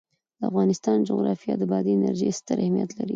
د افغانستان جغرافیه کې بادي انرژي ستر اهمیت لري.